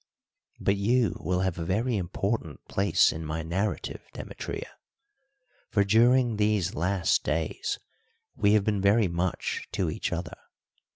But you will have a very important place in my narrative, Demetria, for during these last days we have been very much to each other.